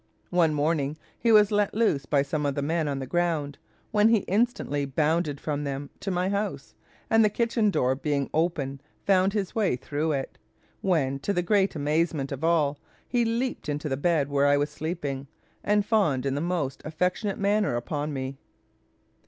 One morning he was let loose by some of the men on the ground, when he instantly bounded from them to my house, and the kitchen door being open, found his way through it; when, to the great amazement of all, he leaped into the bed where I was sleeping, and fawned in the most affectionate manner upon me.